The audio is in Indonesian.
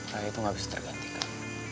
raya tuh gak bisa tergantikan